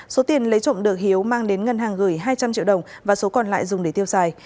số tiền lấy trộm được hiếu mang đến ngân hàng gửi hai trăm linh triệu đồng và số còn lại dùng để tiêu xài